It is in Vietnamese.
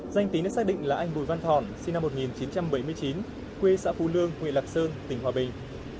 danh tính đã xác định là anh bùi văn thọn sinh năm một nghìn chín trăm bảy mươi chín quê xã phù lương huyện lạc sơn tỉnh hòa bình